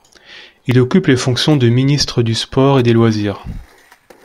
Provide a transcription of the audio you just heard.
Il occupe les fonctions de ministre du Sport et des Loisirs.